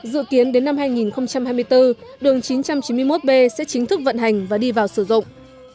dự kiến đến năm hai nghìn hai mươi bốn đường chín trăm chín mươi một b sẽ chính thức vận hành và đi vào sử dụng